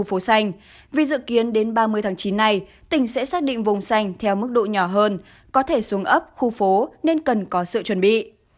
chúng mình sẽ xác định vùng xanh theo mức độ nhỏ hơn có thể xuống ấp khu phố nên cần có sự chuẩn bị